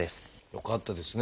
よかったですね。